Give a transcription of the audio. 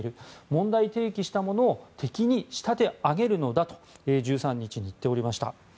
問題提起した者を敵に仕立て上げるのだと１３日に言っておりました。